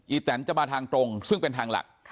แตนจะมาทางตรงซึ่งเป็นทางหลัก